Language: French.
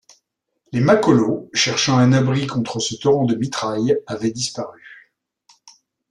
Les Makololos, cherchant un abri contre ce torrent de mitraille, avaient disparu.